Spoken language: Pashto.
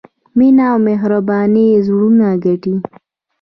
مینه او مهرباني زړونه ګټي.